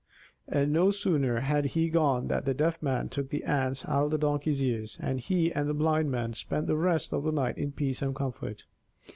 And no sooner had he gone than the Deaf Man took the ants out of the Donkey's ears, and he and the Blind Man spent the rest of the night in peace and comfort.